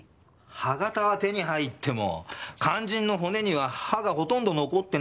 歯型は手に入っても肝心の骨には歯がほとんど残ってないんじゃ。